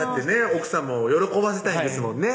奥さまを喜ばせたいんですもんね